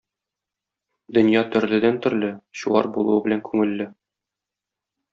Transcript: Дөнья төрледән төрле – чуар булуы белән күңелле.